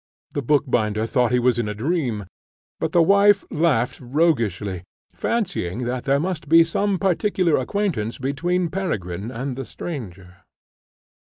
The bookbinder thought he was in a dream, but the wife laughed roguishly, fancying that there must be some particular acquaintance between Peregrine and the stranger.